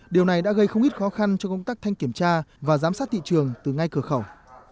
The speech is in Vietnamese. điều này đã gây không ít khó khăn cho công tác thanh kiểm tra và giám sát thị trường từ ngay cửa khẩu